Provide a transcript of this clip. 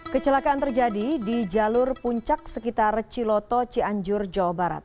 kecelakaan terjadi di jalur puncak sekitar ciloto cianjur jawa barat